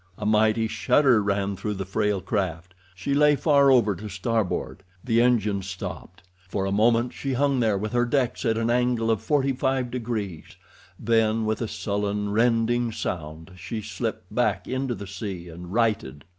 A mighty shudder ran through the frail craft; she lay far over to starboard; the engines stopped. For a moment she hung there with her decks at an angle of forty five degrees—then, with a sullen, rending sound, she slipped back into the sea and righted.